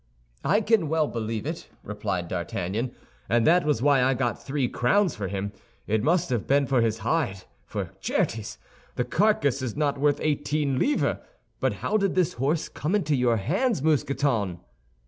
"I can well believe it," replied D'Artagnan, "and that was why I got three crowns for him. It must have been for his hide, for, certes, the carcass is not worth eighteen livres. But how did this horse come into your hands, Mousqueton?"